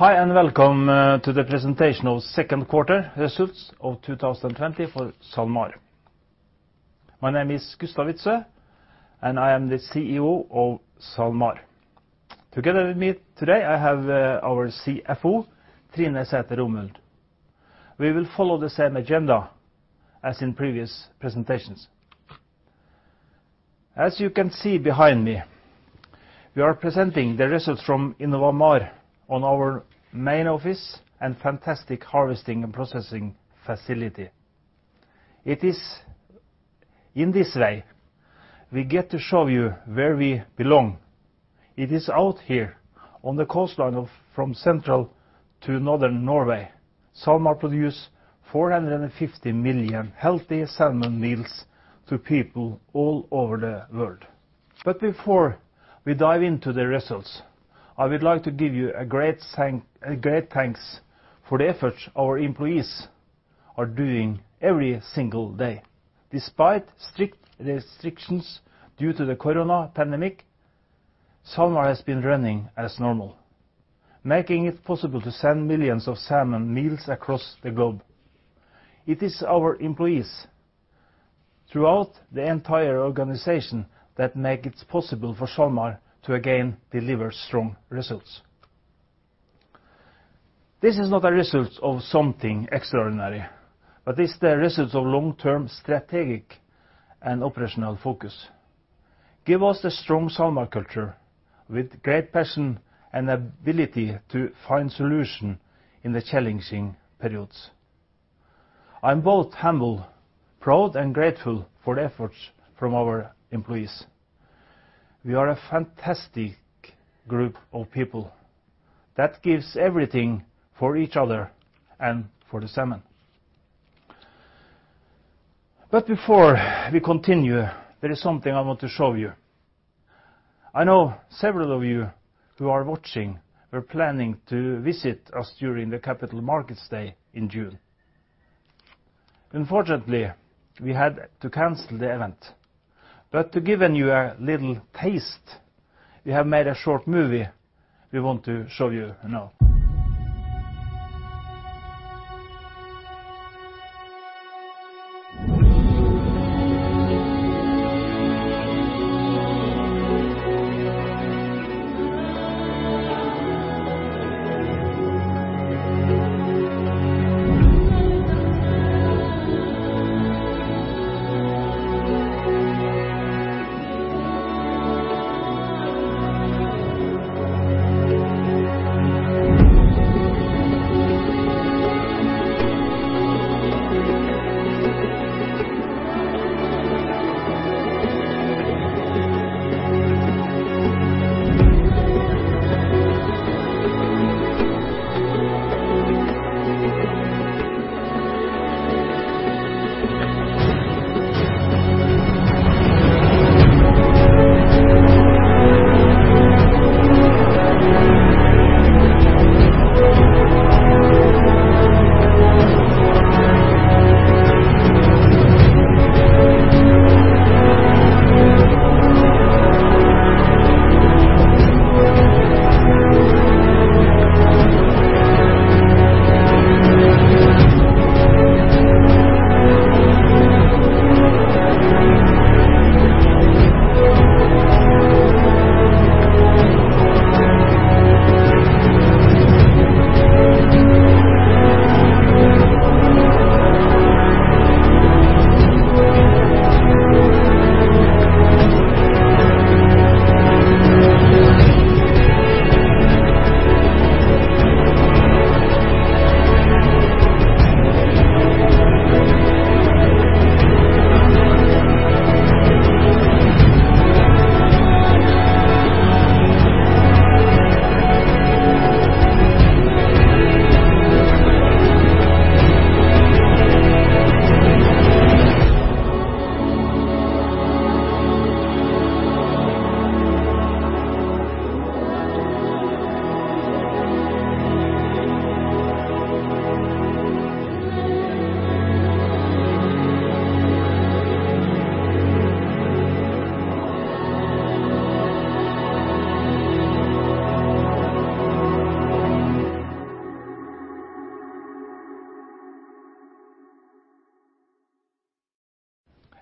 Hi, and welcome to the presentation of Second Quarter Results of 2020 for SalMar. My name is Gustav Witzøe, and I am the CEO of SalMar. Together with me, today, I have our CFO, Trine Sæther Romuld. We will follow the same agenda as in previous presentations. As you can see behind me, we are presenting the results from InnovaMar on our main office and fantastic harvesting and processing facility. In this way, we get to show you where we belong. It is out here, on the coastline from Central to Northern Norway. SalMar produces 450 million healthy salmon meals to people all over the world. But before we dive into the results, I would like to give you a great thanks for the efforts our employees are doing every single day. Despite strict restrictions due to the corona pandemic, SalMar has been running as normal, making it possible to send millions of salmon meals across the globe. It is our employees throughout the entire organization that make it possible for SalMar to again deliver strong results. This is not a result of something extraordinary, but it's the result of long-term strategic and operational focus. Given the strong SalMar culture with great passion and ability to find solutions in the challenging periods. I'm both humble, proud, and grateful for the efforts from our employees. We are a fantastic group of people that give everything for each other and for the salmon. But before we continue, there is something I want to show you. I know several of you who are watching were planning to visit us during the Capital Markets Day in June. Unfortunately, we had to cancel the event. But to give you a little taste, we have made a short movie we want to show you now.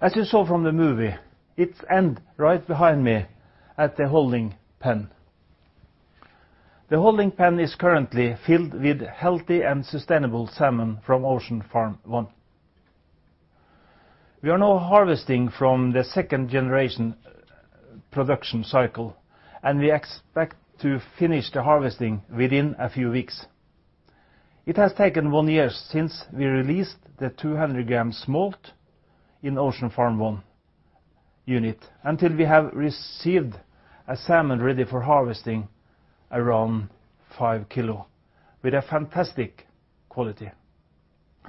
As you saw from the movie, it's at the end right behind me at the holding pen. The holding pen is currently filled with healthy and sustainable salmon from Ocean Farm 1. We are now harvesting from the second generation production cycle, and we expect to finish the harvesting within a few weeks. It has taken one year since we released the 200g smolt in Ocean Farm 1 unit, until we have received a salmon ready for harvesting, around 5kg, with a fantastic quality.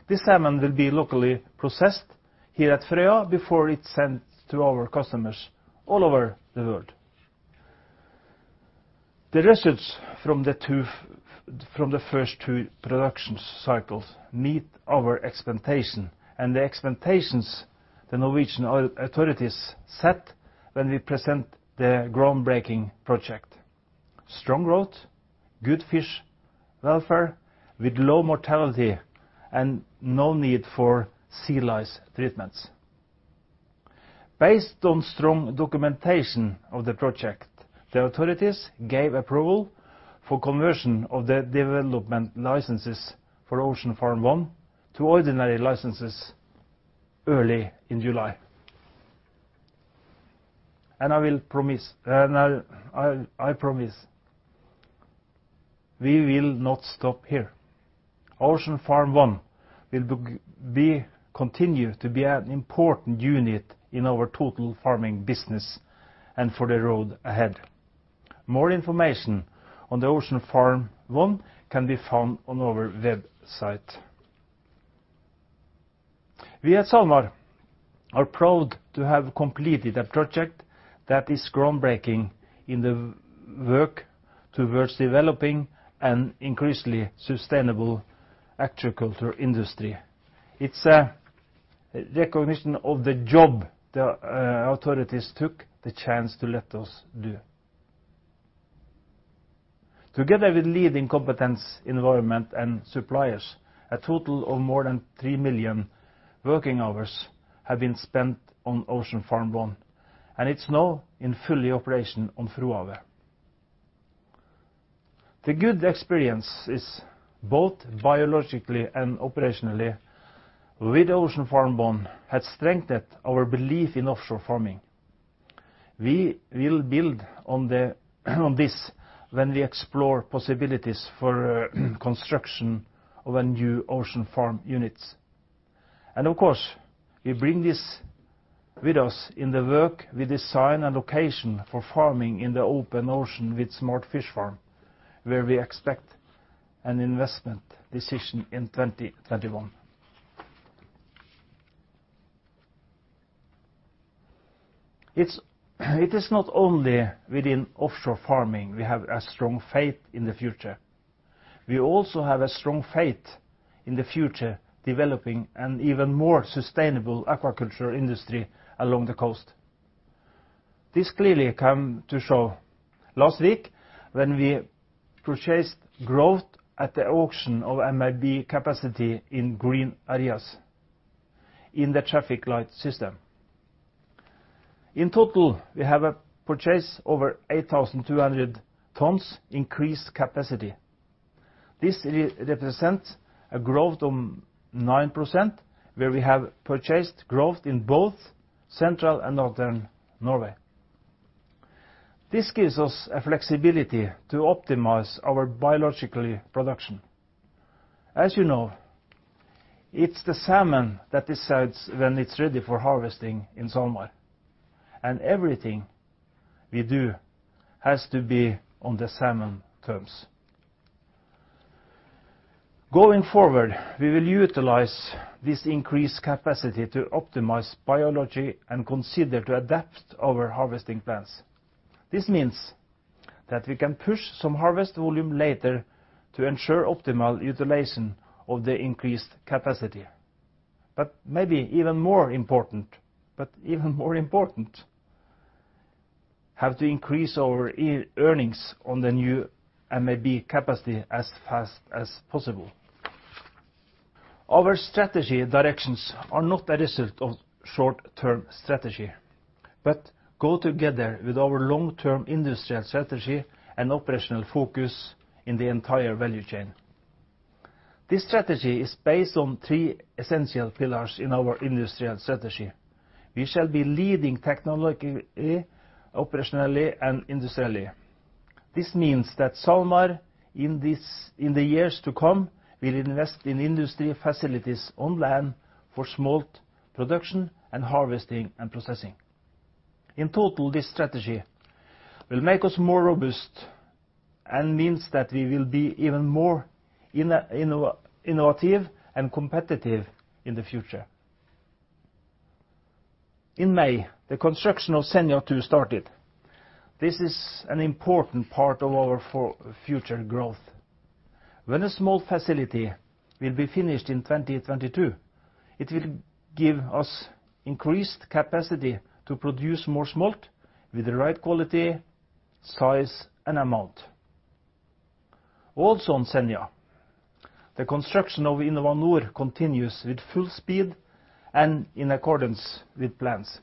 This salmon will be locally processed here at Frøya before it's sent to our customers all over the world. The results from the first two production cycles meet our expectations and the expectations the Norwegian authorities set when we present the groundbreaking project: strong growth, good fish, welfare, with low mortality, and no need for sea lice treatments. Based on strong documentation of the project, the authorities gave approval for conversion of the development licenses for Ocean Farm 1 to ordinary licenses early in July, and I promise we will not stop here. Ocean Farm 1 will continue to be an important unit in our total farming business and for the road ahead. More information on Ocean Farm 1 can be found on our website. We at SalMar are proud to have completed a project that is groundbreaking in the work towards developing an increasingly sustainable agriculture industry. It's a recognition of the job the authorities took the chance to let us do. Together with leading competence, environment, and suppliers, a total of more than 3 million working hours have been spent on Ocean Farm 1, and it's now in full operation on Frohavet. The good experiences, both biologically and operationally, with Ocean Farm 1 have strengthened our belief in offshore farming. We will build on this when we explore possibilities for construction of a new Ocean Farm unit. And of course, we bring this with us in the work we design a location for farming in the open ocean with SmartFish Farm, where we expect an investment decision in 2021. It is not only within offshore farming we have a strong faith in the future. We also have a strong faith in the future developing an even more sustainable aquaculture industry along the coast. This clearly came to show last week when we purchased growth at the auction of MTB capacity in green areas in the traffic light system. In total, we have purchased over 8,200 tons increased capacity. This represents a growth of 9% where we have purchased growth in both Central and Northern Norway. This gives us a flexibility to optimize our biological production. As you know, it's the salmon that decides when it's ready for harvesting in SalMar, and everything we do has to be on the salmon terms. Going forward, we will utilize this increased capacity to optimize biology and consider to adapt our harvesting plans. This means that we can push some harvest volume later to ensure optimal utilization of the increased capacity. But maybe even more important, but even more important, have to increase our earnings on the new MTB capacity as fast as possible. Our strategy directions are not a result of short-term strategy, but go together with our long-term industrial strategy and operational focus in the entire value chain. This strategy is based on three essential pillars in our industrial strategy. We shall be leading technologically, operationally, and industrially. This means that SalMar in the years to come will invest in industry facilities on land for smolt production and harvesting and processing. In total, this strategy will make us more robust and means that we will be even more innovative and competitive in the future. In May, the construction of Senja 2 started. This is an important part of our future growth. When a smolt facility will be finished in 2022, it will give us increased capacity to produce more smolt with the right quality, size, and amount. Also on Senja, the construction of InnovaNor continues with full speed and in accordance with plans.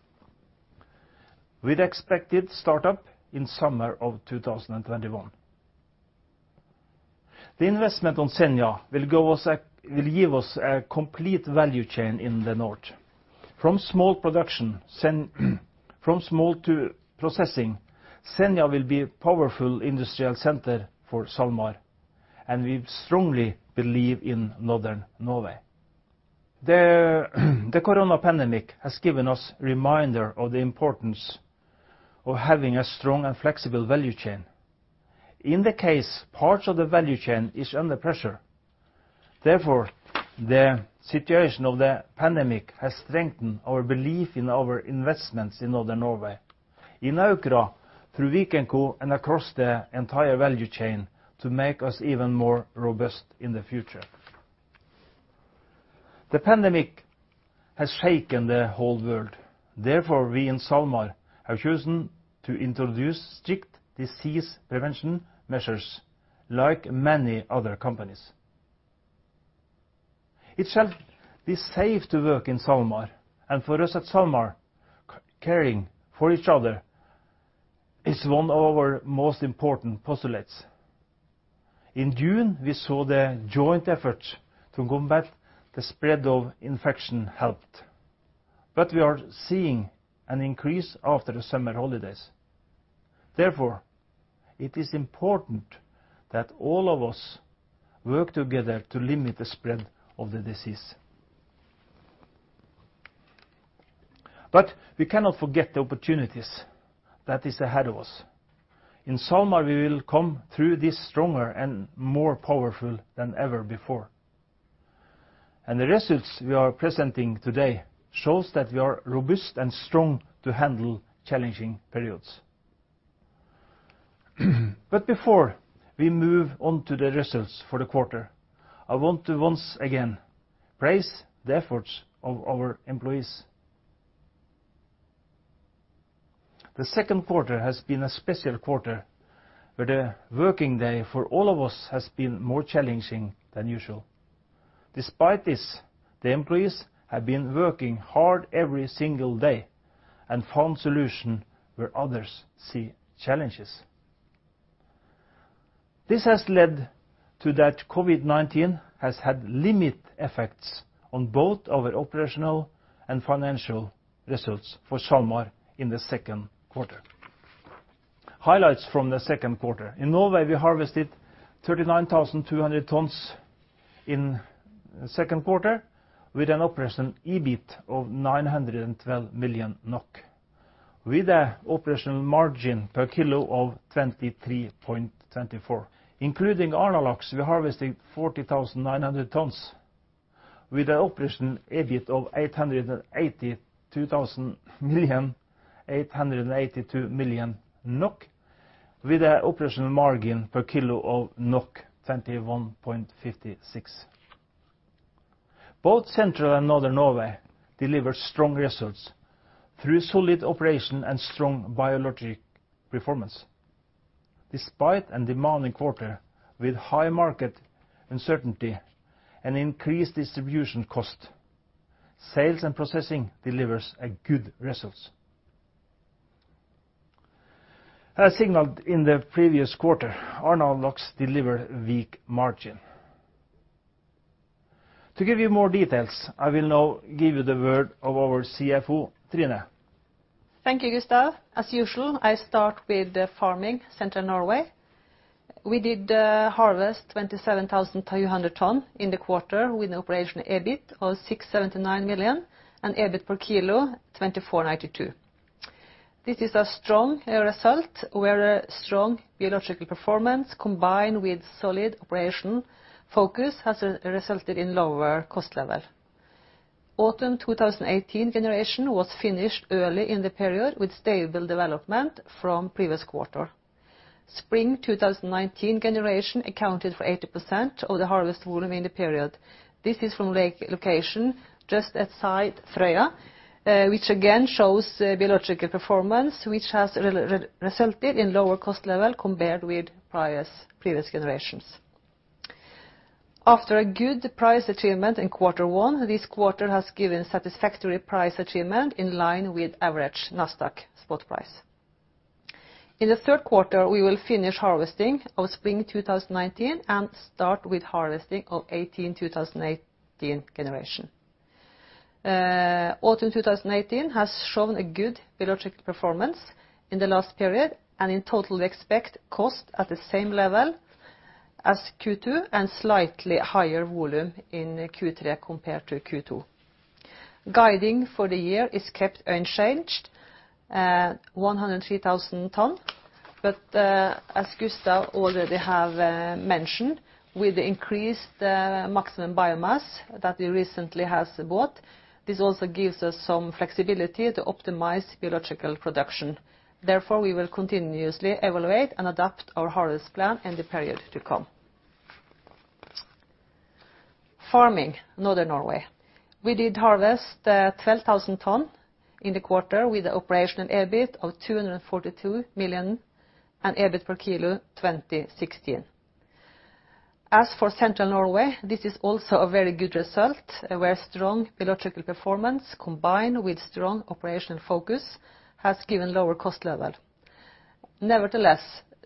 We expect it to start up in summer of 2021. The investment on Senja will give us a complete value chain in the north. From small production to processing, Senja will be a powerful industrial center for SalMar, and we strongly believe in Northern Norway. The corona pandemic has given us a reminder of the importance of having a strong and flexible value chain. In the case, parts of the value chain are under pressure. Therefore, the situation of the pandemic has strengthened our belief in our investments in Northern Norway, in Aukra, through Vikenco, and across the entire value chain to make us even more robust in the future. The pandemic has shaken the whole world. Therefore, we in SalMar have chosen to introduce strict disease prevention measures like many other companies. It shall be safe to work in SalMar, and for us at SalMar, caring for each other is one of our most important postulates. In June, we saw the joint effort to combat the spread of infection helped, but we are seeing an increase after the summer holidays. Therefore, it is important that all of us work together to limit the spread of the disease. But we cannot forget the opportunities that are ahead of us. In SalMar, we will come through this stronger and more powerful than ever before, and the results we are presenting today show that we are robust and strong to handle challenging periods, but before we move on to the results for the quarter, I want to once again praise the efforts of our employees. The second quarter has been a special quarter where the working day for all of us has been more challenging than usual. Despite this, the employees have been working hard every single day and found solutions where others see challenges. This has led to that COVID-19 has had limited effects on both our operational and financial results for SalMar in the second quarter. Highlights from the second quarter: In Norway, we harvested 39,200 tons in the second quarter with an operational EBIT of 912 million NOK, with an operational margin per kilo of 23.24. Including Arnarlax, we harvested 40,900 tons with an operational EBIT of 882 million, with an operational margin per kilo of 21.56. Both Central and Northern Norway deliver strong results through solid operation and strong biological performance. Despite a demanding quarter with high market uncertainty and increased distribution costs, sales and processing deliver good results. As signaled in the previous quarter, Arnarlax delivered a weak margin. To give you more details, I will now give you the word of our CFO, Trine. Thank you, Gustav. As usual, I start with the farming, Central Norway. We did harvest 27,300 tons in the quarter with an operational EBIT of 679 million and EBIT per kilo 24.92. This is a strong result where strong biological performance combined with solid operation focus has resulted in lower cost level. Autumn 2018 generation was finished early in the period with stable development from the previous quarter. Spring 2019 generation accounted for 80% of the harvest volume in the period. This is from a location just outside Frøya, which again shows biological performance which has resulted in lower cost level compared with previous generations. After a good price achievement in quarter one, this quarter has given satisfactory price achievement in line with average NASDAQ spot price. In the third quarter, we will finish harvesting of spring 2019 and start with harvesting of 2018 generation. Autumn 2018 has shown a good biological performance in the last period, and in total, we expect cost at the same level as Q2 and slightly higher volume in Q3 compared to Q2. Guidance for the year is kept unchanged, 103,000 tons, but as Gustav already has mentioned, with the increased maximum biomass that we recently have bought, this also gives us some flexibility to optimize biological production. Therefore, we will continuously evaluate and adapt our harvest plan in the period to come. Farming, Northern Norway. We harvested 12,000 tons in the quarter with an operational EBIT of 242 million and EBIT per kilo of 20.16. As for Central Norway, this is also a very good result where strong biological performance combined with strong operational focus has given a lower cost level. Nevertheless,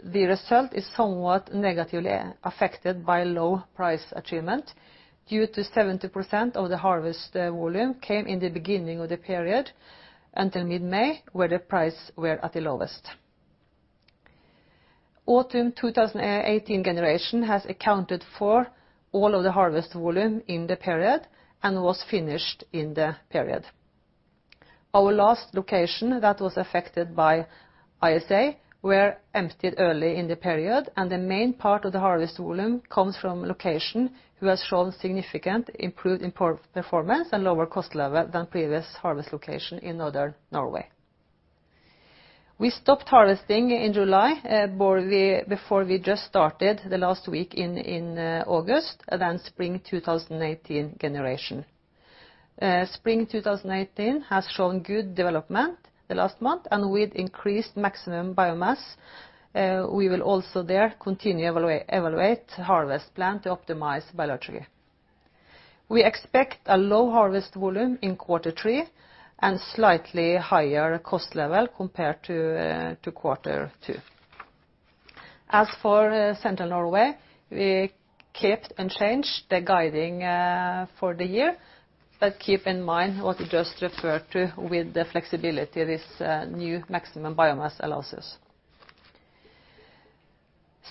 the result is somewhat negatively affected by low price achievement due to 70% of the harvest volume coming in the beginning of the period until mid-May, where the price was at the lowest. Autumn 2018 generation has accounted for all of the harvest volume in the period and was finished in the period. Our last location that was affected by ISA was emptied early in the period, and the main part of the harvest volume comes from a location that has shown significantly improved performance and lower cost level than the previous harvest location in northern Norway. We stopped harvesting in July before we just started the last week in August, and then spring 2018 generation. Spring 2018 has shown good development the last month, and with increased maximum biomass, we will also there continue to evaluate the harvest plan to optimize biologically. We expect a low harvest volume in quarter three and slightly higher cost level compared to quarter two. As for Central Norway, we kept unchanged the guidance for the year, but keep in mind what we just referred to with the flexibility of this new maximum biomass allowances.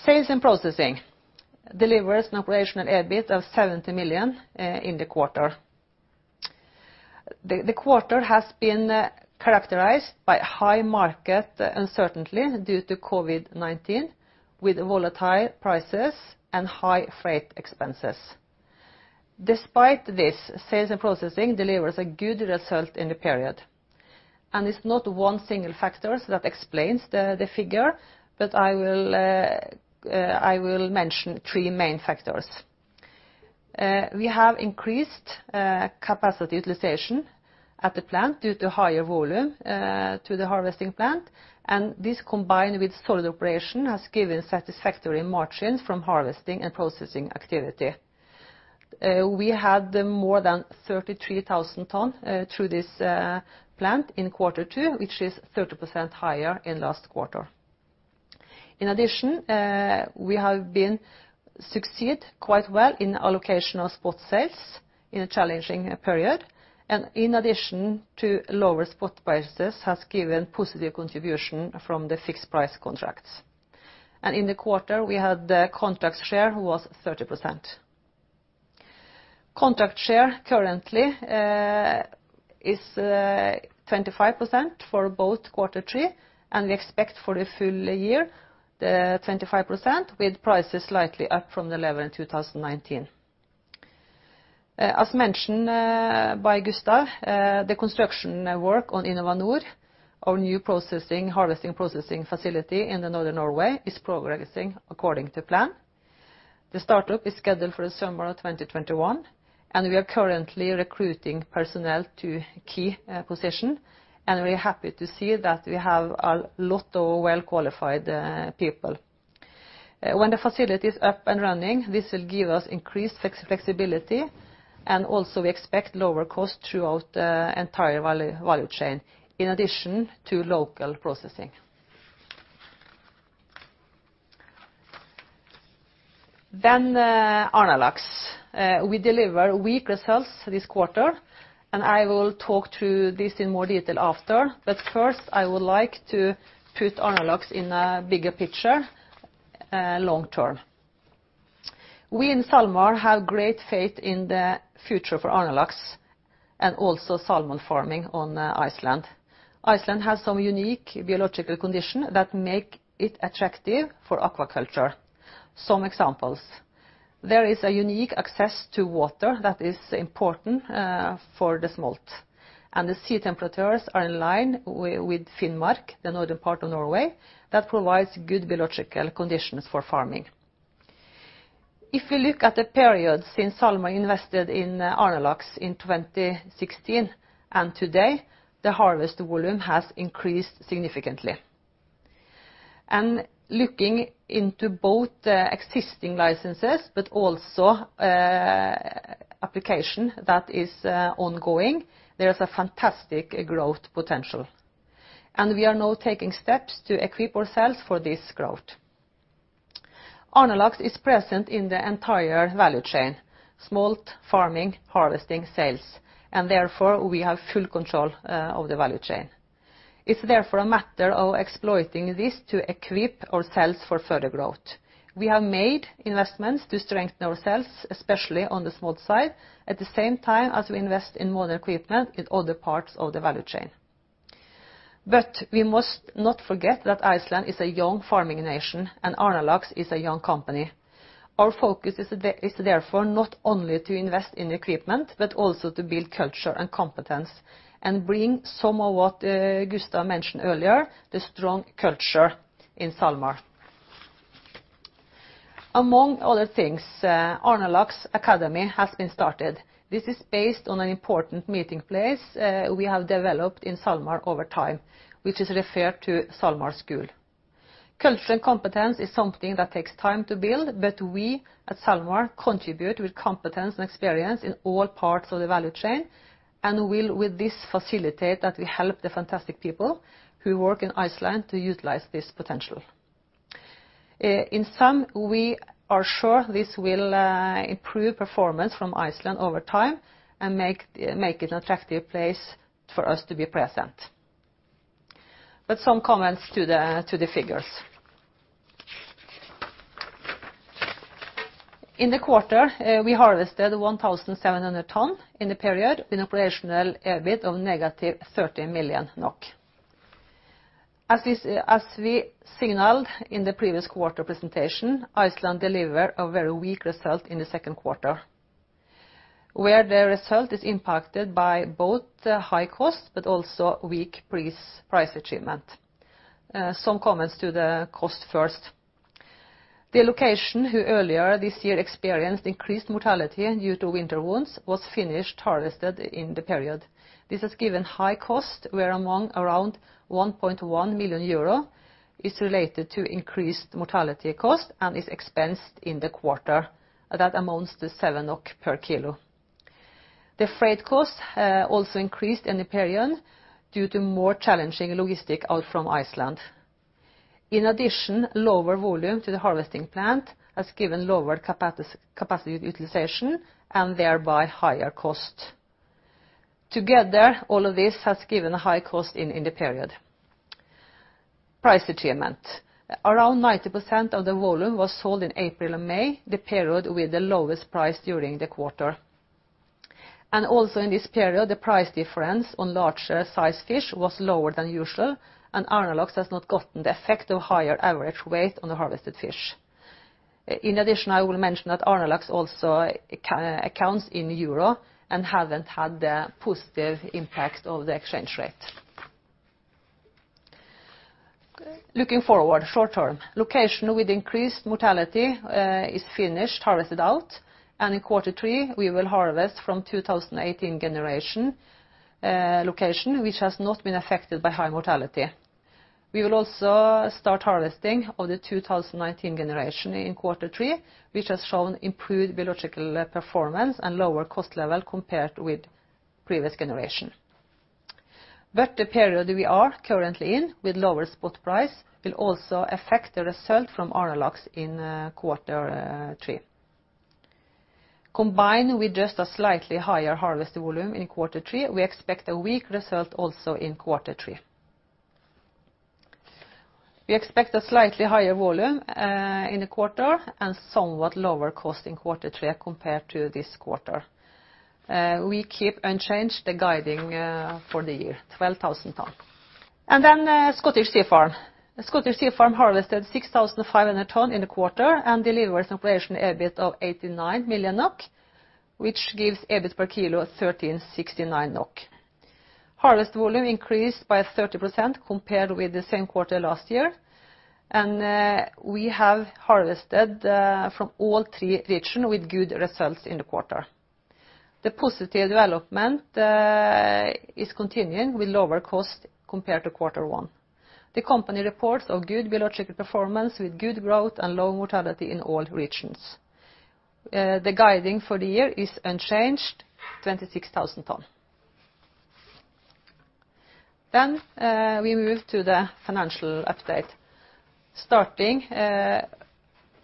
Sales and processing deliver an operational EBIT of 70 million in the quarter. The quarter has been characterized by high market uncertainty due to COVID-19, with volatile prices and high freight expenses. Despite this, sales and processing deliver a good result in the period. It's not one single factor that explains the figure, but I will mention three main factors. We have increased capacity utilization at the plant due to higher volume to the harvesting plant, and this combined with solid operation has given satisfactory margins from harvesting and processing activity. We had more than 33,000 tons through this plant in quarter two, which is 30% higher than last quarter. In addition, we have succeeded quite well in allocation of spot sales in a challenging period, and in addition to lower spot prices, it has given a positive contribution from the fixed price contracts. In the quarter, we had the contract share that was 30%. Contract share currently is 25% for both quarter three, and we expect for the full year the 25% with prices slightly up from the level in 2019. As mentioned by Gustav, the construction work on InnovaNor, our new processing harvesting processing facility in Northern Norway, is progressing according to plan. The startup is scheduled for the summer of 2021, and we are currently recruiting personnel to key positions, and we are happy to see that we have a lot of well-qualified people. When the facility is up and running, this will give us increased flexibility, and also we expect lower costs throughout the entire value chain in addition to local processing. Then Arnarlax. We deliver weak results this quarter, and I will talk through this in more detail after, but first, I would like to put Arnarlax in a bigger picture long term. We in SalMar have great faith in the future for Arnarlax and also salmon farming on Iceland. Iceland has some unique biological conditions that make it attractive for aquaculture. Some examples: there is unique access to water that is important for the smolt, and the sea temperatures are in line with Finnmark, the Northern part of Norway, that provides good biological conditions for farming. If we look at the period since SalMar invested in Arnarlax in 2016 and today, the harvest volume has increased significantly. And looking into both existing licenses but also applications that are ongoing, there is fantastic growth potential. And we are now taking steps to equip ourselves for this growth. Arnarlax is present in the entire value chain: smolt, farming, harvesting, sales, and therefore we have full control of the value chain. It's therefore a matter of exploiting this to equip ourselves for further growth. We have made investments to strengthen ourselves, especially on the smolt side, at the same time as we invest in modern equipment in other parts of the value chain. But we must not forget that Iceland is a young farming nation, and Arnarlax is a young company. Our focus is therefore not only to invest in equipment, but also to build culture and competence and bring some of what Gustav mentioned earlier, the strong culture in SalMar. Among other things, Arnarlax Academy has been started. This is based on an important meeting place we have developed in SalMar over time, which is referred to as SalMar School. Culture and competence is something that takes time to build, but we at SalMar contribute with competence and experience in all parts of the value chain, and we will with this facilitate that we help the fantastic people who work in Iceland to utilize this potential. In sum, we are sure this will improve performance from Iceland over time and make it an attractive place for us to be present. But some comments to the figures. In the quarter, we harvested 1,700 tons in the period with an operational EBIT of -30 million NOK. As we signaled in the previous quarter presentation, Iceland delivered a very weak result in the second quarter, where the result is impacted by both high cost but also weak price achievement. Some comments to the cost first. The location which earlier this year experienced increased mortality due to winter wounds was finished harvested in the period. This has given high cost, where among around 1.1 million euro is related to increased mortality cost and is expensed in the quarter. That amounts to 7 NOK per kilo. The freight cost also increased in the period due to more challenging logistics out from Iceland. In addition, lower volume to the harvesting plant has given lower capacity utilization and thereby higher cost. Together, all of this has given a high cost in the period. Price achievement. Around 90% of the volume was sold in April and May, the period with the lowest price during the quarter, and also in this period, the price difference on larger size fish was lower than usual, and Arnarlax has not gotten the effect of higher average weight on the harvested fish. In addition, I will mention that Arnarlax also accounts in EUR and hasn't had the positive impact of the exchange rate. Looking forward short term, location with increased mortality is finished harvested out, and in quarter three, we will harvest from 2018 generation location, which has not been affected by high mortality. We will also start harvesting of the 2019 generation in quarter three, which has shown improved biological performance and lower cost level compared with previous generation. But the period we are currently in with lower spot price will also affect the result from Arnarlax in quarter three. Combined with just a slightly higher harvest volume in quarter three, we expect a weak result also in quarter three. We expect a slightly higher volume in the quarter and somewhat lower cost in quarter three compared to this quarter. We keep unchanged the guidance for the year, 12,000 tons. And then Scottish Sea Farms. Scottish Sea Farms harvested 6,500 tons in the quarter and delivers an operational EBIT of 89 million NOK, which gives EBIT per kilo 13.69 NOK. Harvest volume increased by 30% compared with the same quarter last year, and we have harvested from all three regions with good results in the quarter. The positive development is continuing with lower cost compared to quarter one. The company reports of good biological performance with good growth and low mortality in all regions. The guidance for the year is unchanged, 26,000 tons. Then we move to the financial update. Starting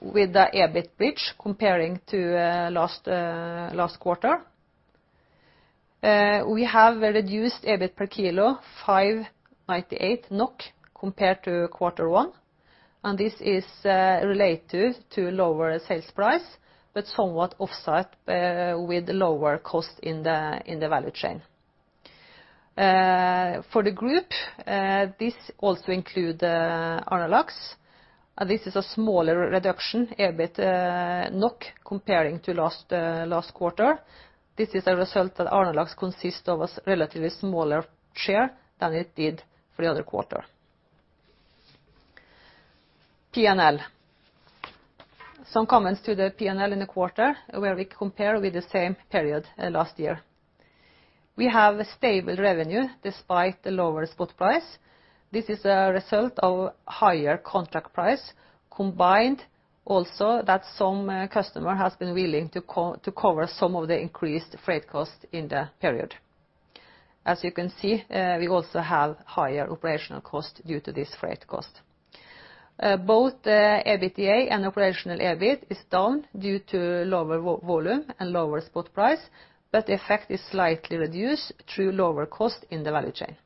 with the EBIT bridge comparing to last quarter, we have reduced EBIT per kilo 5.98 NOK compared to quarter one, and this is related to lower sales price but somewhat offset with lower cost in the value chain. For the group, this also includes Arnarlax. This is a smaller reduction in EBIT NOK comparing to last quarter. This is a result that Arnarlax consists of a relatively smaller share than it did for the other quarter. P&L. Some comments to the P&L in the quarter where we compare with the same period last year. We have a stable revenue despite the lower spot price. This is a result of higher contract price combined also that some customers have been willing to cover some of the increased freight cost in the period. As you can see, we also have higher operational cost due to this freight cost. Both the EBITDA and operational EBIT is down due to lower volume and lower spot price, but the effect is slightly reduced through lower cost in the value chain.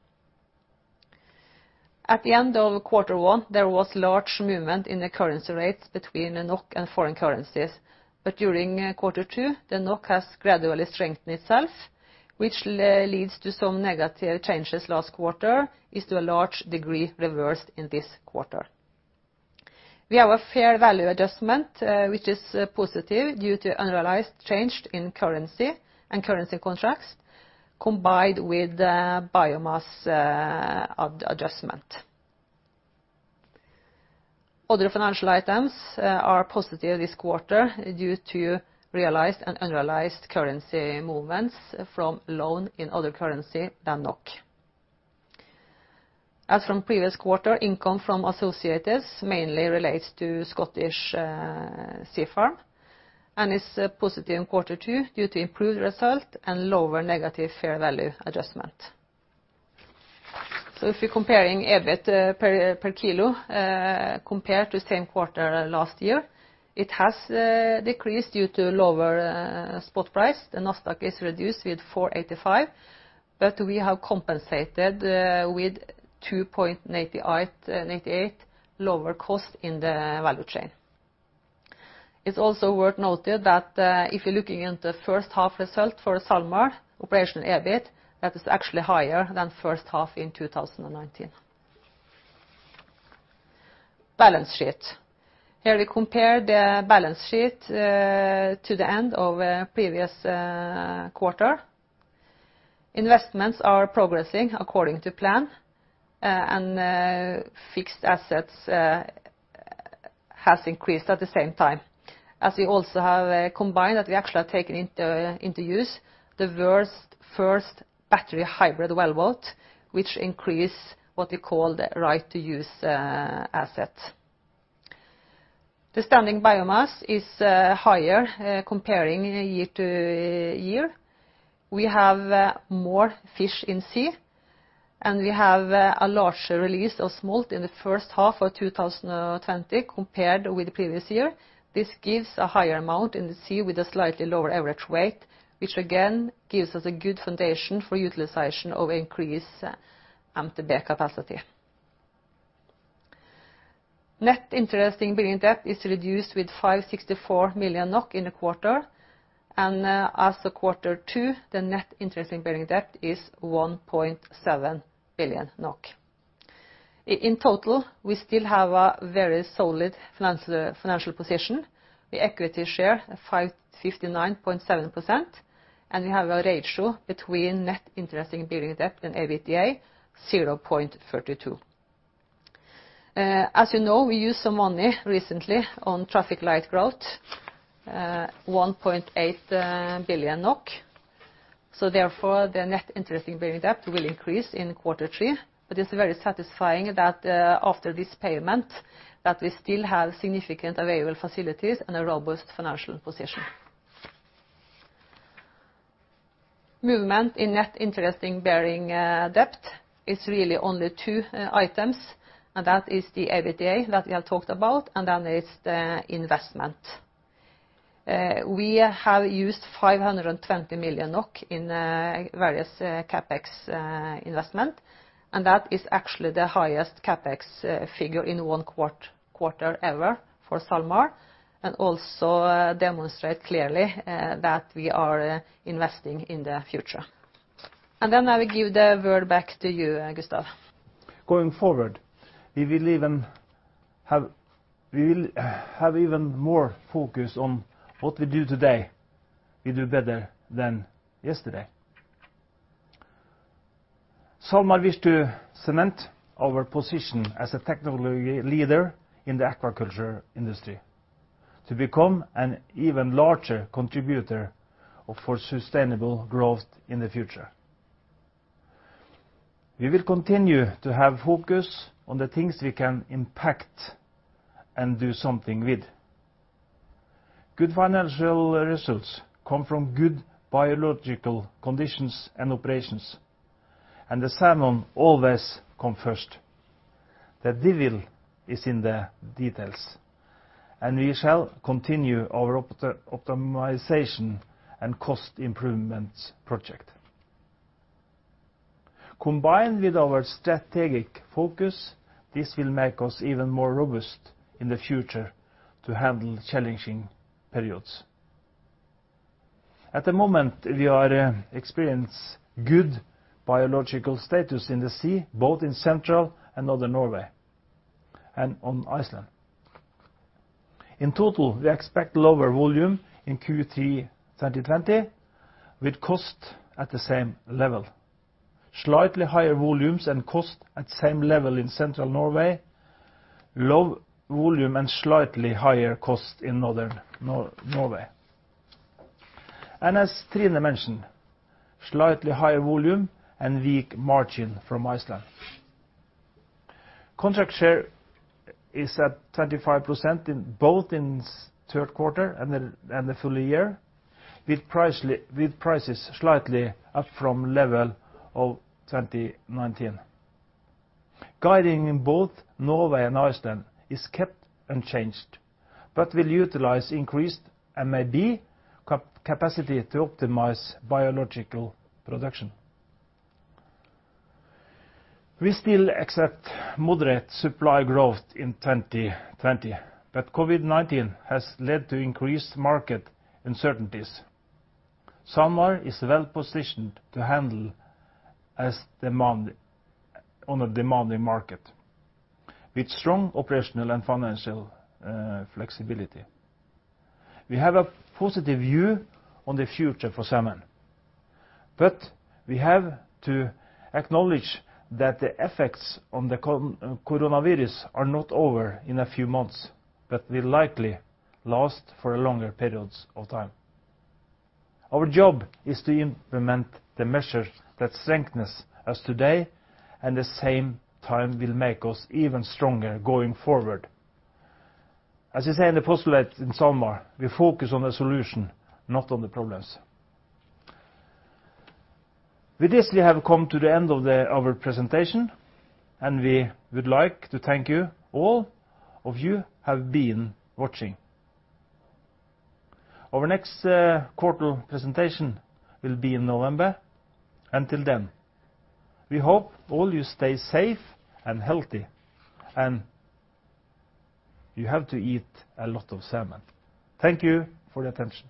At the end of quarter one, there was large movement in the currency rates between NOK and foreign currencies, but during quarter two, the NOK has gradually strengthened itself, which leads to some negative changes last quarter, is to a large degree reversed in this quarter. We have a fair value adjustment, which is positive due to unrealized change in currency and currency contracts combined with biomass adjustment. Other financial items are positive this quarter due to realized and unrealized currency movements from loan in other currency than NOK. As from previous quarter, income from associates mainly relates to Scottish Sea Farms and is positive in quarter two due to improved result and lower negative fair value adjustment, so if we're comparing EBIT per kilo compared to the same quarter last year, it has decreased due to lower spot price. The NASDAQ is reduced with 4.85, but we have compensated with 2.98 lower cost in the value chain. It's also worth noting that if you're looking into the first half result for SalMar, operational EBIT, that is actually higher than first half in 2019. Balance sheet. Here we compare the balance sheet to the end of previous quarter. Investments are progressing according to plan, and fixed assets have increased at the same time. As we also have combined that we actually have taken into use the first battery hybrid wellboat, which increased what we call the right to use asset. The standing biomass is higher comparing year to year. We have more fish in sea, and we have a larger release of smolt in the first half of 2020 compared with the previous year. This gives a higher amount in the sea with a slightly lower average weight, which again gives us a good foundation for utilization of increased MTB capacity. Net interest-bearing debt is reduced with 564 million NOK in the quarter, and as of quarter two, the net interest-bearing debt is 1.7 billion NOK. In total, we still have a very solid financial position. The equity share is 59.7%, and we have a ratio between net interest-bearing debt and EBITDA of 0.32. As you know, we used some money recently on traffic light growth, 1.8 billion NOK. So therefore, the net interest-bearing debt will increase in quarter three, but it's very satisfying that after this payment, that we still have significant available facilities and a robust financial position. Movement in net interest-bearing debt is really only two items, and that is the EBITDA that we have talked about, and then there is the investment. We have used 520 million NOK in various CapEx investment, and that is actually the highest CapEx figure in one quarter ever for SalMar, and also demonstrates clearly that we are investing in the future. And then I will give the word back to you, Gustav. Going forward, we will even have even more focus on what we do today. We do better than yesterday. SalMar wishes to cement our position as a technology leader in the aquaculture industry, to become an even larger contributor for sustainable growth in the future. We will continue to have focus on the things we can impact and do something with. Good financial results come from good biological conditions and operations, and the salmon always come first. The devil is in the details, and we shall continue our optimization and cost improvement project. Combined with our strategic focus, this will make us even more robust in the future to handle challenging periods. At the moment, we are experiencing good biological status in the sea, both in Central and Northern Norway, and in Iceland. In total, we expect lower volume in Q3 2020 with cost at the same level. Slightly higher volumes and cost at the same level in Central Norway, low volume and slightly higher cost in Northern Norway, and as Trine mentioned, slightly higher volume and weak margin from Iceland. Contract share is at 25% both in the third quarter and the full year, with prices slightly up from level of 2019. Guidance both Norway and Iceland is kept unchanged, but we'll utilize increased MTB capacity to optimize biological production. We still accept moderate supply growth in 2020, but COVID-19 has led to increased market uncertainties. SalMar is well positioned to handle a demanding market with strong operational and financial flexibility. We have a positive view on the future for salmon, but we have to acknowledge that the effects of the coronavirus are not over in a few months, but will likely last for longer periods of time. Our job is to implement the measures that strengthen us today, and at the same time, will make us even stronger going forward. As you say in the postulate in SalMar, we focus on the solution, not on the problems. With this, we have come to the end of our presentation, and we would like to thank all of you who have been watching. Our next quarter presentation will be in November, and until then, we hope all you stay safe and healthy, and you have to eat a lot of salmon. Thank you for the attention.